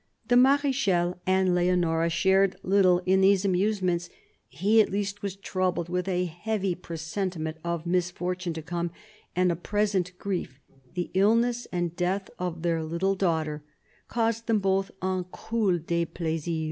The Mar^chal and Leonora shared little in these amuse ments. He, at least, was troubled with a heavy presenti ment of misfortune to come, and a present grief, the illness and death of their little daughter, caused them both " un cruel d6plaisir."